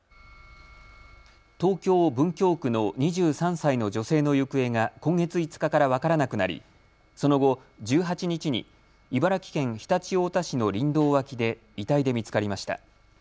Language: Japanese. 東京文京区の２３歳の女性の行方が今月５日から分からなくなりその後１８日に茨城県常陸太田市の林道脇で遺体で見つかりました。